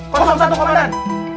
kosong satu komandan